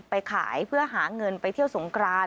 ไปขายเพื่อหาเงินไปเที่ยวสงกราน